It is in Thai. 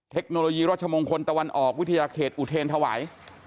เทคโนโลยีรัชมงคลตะวันออกวิทยาเขตอุเทรนถวาย